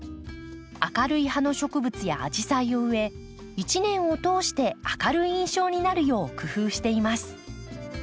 明るい葉の植物やアジサイを植え一年を通して明るい印象になるよう工夫しています。